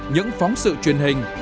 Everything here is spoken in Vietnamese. những phóng sự truyền hình